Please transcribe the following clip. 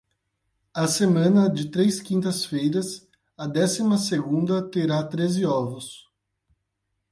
A semana de três quintas-feiras, a décima segunda terá treze ovos.